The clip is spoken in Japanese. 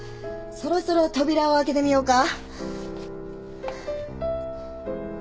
そろそろ扉を開けてみようか。